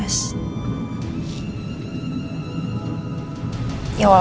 aku mau ke rumah